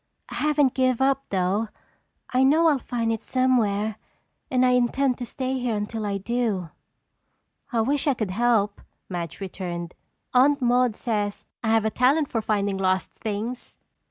I haven't given up though. I know I'll find it somewhere and I intend to stay here until I do." "I wish I could help," Madge returned. "Aunt Maude says I have a talent for finding lost things.